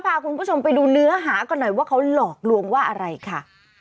พาคุณผู้ชมไปดูเนื้อหากันหน่อยว่าเขาหลอกลวงว่าอะไรค่ะ